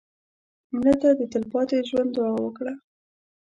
مړه ته د تلپاتې ژوند دعا وکړه